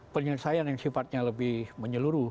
penyelesaian yang sifatnya lebih menyeluruh